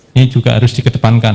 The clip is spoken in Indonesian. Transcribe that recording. ini juga harus dikedepankan